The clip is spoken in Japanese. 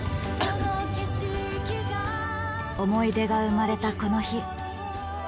思い出がうまれたこの日。